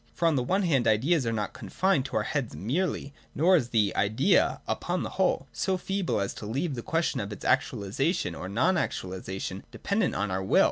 For on the one hand Ideas are not confined to our heads merely, nor is the Idea, upon the whole, so feeble as to leave the question of its actualisation or non actualisation dependent on our will.